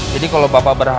jadi kalau bapak berhasil ya